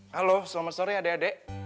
halo selamat sore adek adek